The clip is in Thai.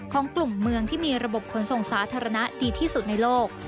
ของกลุ่มเมืองที่มีระบบขนส่งสาธารณะดีที่สุดในโลก